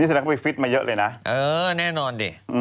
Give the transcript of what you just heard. อีทรานกำวิกฟิสต์มาเยอะเลยนะน่ะเออแน่นอนดิ